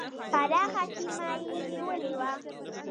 پراخه سیمه یې نیولې وه.